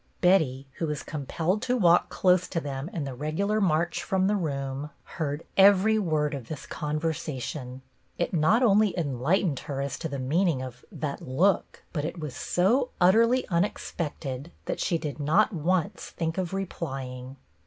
Betty, who was compelled to walk close to them in the regular march from the room, 6o BETTY BAIRD heard every word of this conversation. It not only enlightened her as to the meaning of " that look," but it was so utterly un expected that she did not once think of replying.